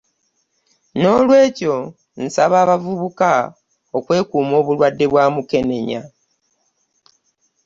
N'olwekyo, nsaba abavubuka okwekuuma obulwadde bwa Mukenenya